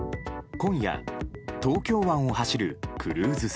今夜、東京湾を走るクルーズ船。